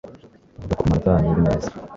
vuga ko amanota yanjye ari meza